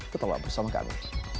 ketawa bersama kami